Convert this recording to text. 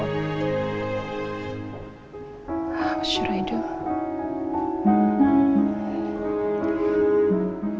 apa yang harus aku lakukan